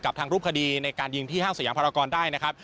ทางรูปคดีในการยิงที่ห้างสยามภารกรได้นะครับ